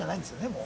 もう。